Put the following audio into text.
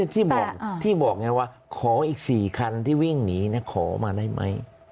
ที่บอกไงว่าขออีก๔คันที่วิ่งหนีขอมาได้ไหม